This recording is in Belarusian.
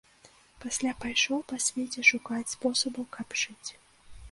Пасля пайшоў па свеце шукаць спосабу, каб жыць.